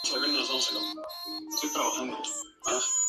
Sólo conservó León y Astorga y algunos monasterios.